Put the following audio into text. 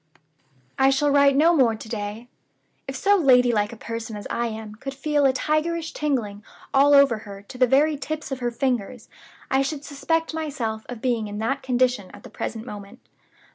"I shall write no more to day. If so lady like a person as I am could feel a tigerish tingling all over her to the very tips of her fingers, I should suspect myself of being in that condition at the present moment.